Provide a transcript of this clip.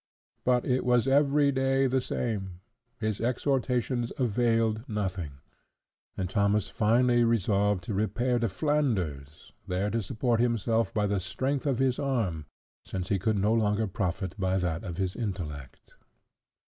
But it was every day the same: his exhortations availed nothing; and Thomas finally resolved to repair to Flanders, there to support himself by the strength of his arm, since he could no longer profit by that of his intellect.